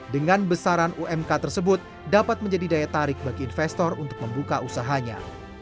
dengan besaran umk tersebut dapat menjadi daya tarik bagi investor untuk membuka usahanya